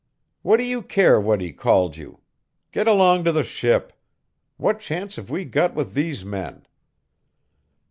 "What do you care what he called you? Get along to the ship. What chance have we got with these men?"